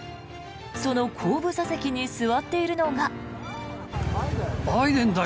その後部座席に座っているのが。